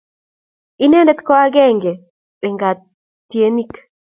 Inendet ko akenge eng katienik